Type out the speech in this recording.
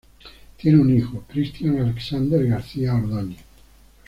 Tiene un hijo, Christian Alexander García Ordóñez.